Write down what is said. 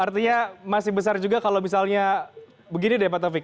artinya masih besar juga kalau misalnya begini deh pak taufik